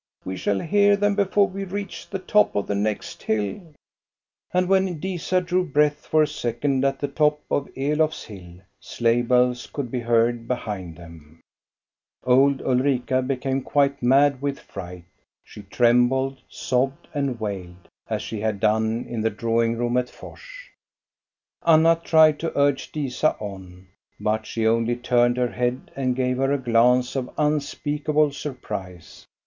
We shall hear them before we reach the top of the next hill." And when Disa drew breath for a second at the top of Elofs hill sleigh bells could be heard behind them. 208 THE STORY OF GOSTA BERLING. Old Ulrika became quite m^d with fright. She trembled, sobbed, and wailed as she had done in the drawing room at Fors. Anna tried to urge Disa on, but she only turned her head and gave her a glance of unspeakable surprise.